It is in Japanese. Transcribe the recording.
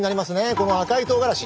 この赤いとうがらし。